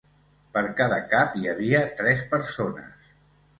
Per cada cap hi havia tres persones.